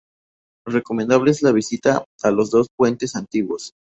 Recomendable es la visita a los dos puentes antiguos.